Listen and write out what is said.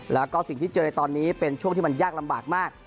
แล้วก็สิ่งที่เจอในตอนนี้เป็นช่วงที่มันยากลำบากมาก